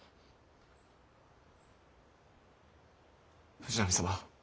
藤波様。